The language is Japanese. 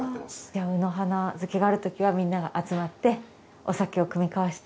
じゃあ卯の花漬けがあるときはみんなが集まってお酒を酌み交わして。